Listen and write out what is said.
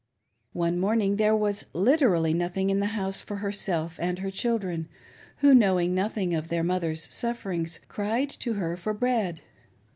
One morning there was literally nothing in the house for herself and her children, who, knowing nothing of their mother's sufferings, cried to her for bread.